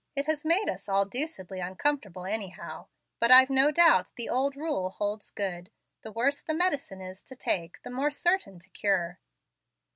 It has made us all deucedly uncomfortable, anyhow. But I've no doubt the old rule holds good, the worse the medicine is to take the more certain to cure."